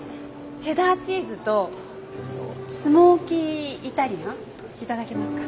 チェダーチーズとスモーキーイタリアンいただけますか？